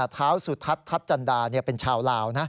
เท้าสุทัศน์ทัศน์จันดาเป็นชาวลาวนะ